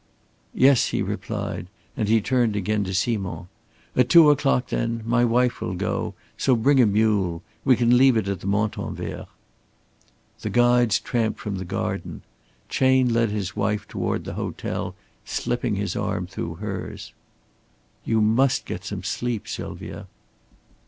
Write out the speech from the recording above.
"Yes," he replied, and he turned again to Simond. "At two o'clock then. My wife will go, so bring a mule. We can leave it at the Montanvert." The guides tramped from the garden. Chayne led his wife toward the hotel, slipping his arm through hers. "You must get some sleep, Sylvia."